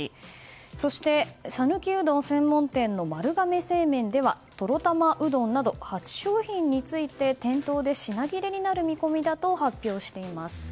そして、讃岐うどん専門店の丸亀製麺ではとろ玉うどんなど８商品について店頭で品切れになる見込みだと発表しています。